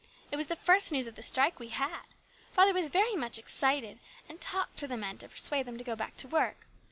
It was the first news of the strike we had. Father was very much excited, and talked to the men to persuade them to go back to work.